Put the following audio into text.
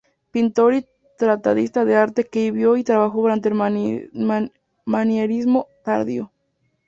Pintor y tratadista de arte, que vivió y trabajó durante el manierismo tardío.